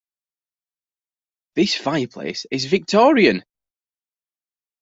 This fireplace is Victorian.